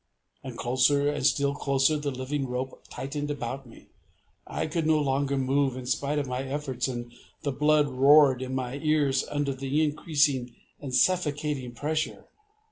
And closer, and still closer, the living rope tightened about me.... I could no longer move in spite of my efforts, and the blood roared in my ears under the increasing and suffocating pressure....